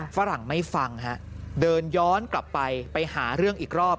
ฝรั่งไม่ฟังฮะเดินย้อนกลับไปไปหาเรื่องอีกรอบ